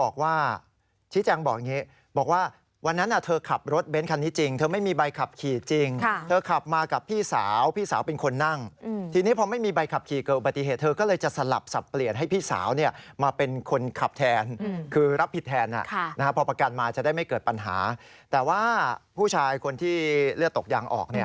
เข้ามาชี้แจ้งในเพจแหม่มโพดัมด้วยนะ